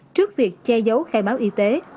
trước việc che giấu khai báo y tế